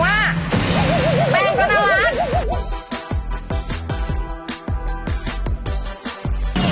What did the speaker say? แม่งก็น่ารัก